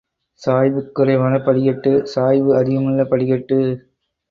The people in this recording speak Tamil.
சாய்வுக் குறைவான படிக்கட்டு, சாய்வு அதிகமுள்ள படிக் கட்டு.